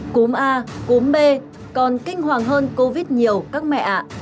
cúng a cúng b còn kinh hoàng hơn covid nhiều các mẹ ạ